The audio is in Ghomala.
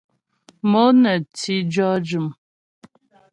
Mo nə ti jɔ́ jʉm.